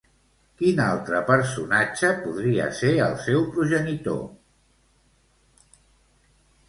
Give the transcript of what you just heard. Quin altre personatge podria ser el seu progenitor?